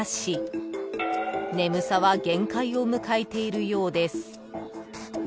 ［眠さは限界を迎えているようです］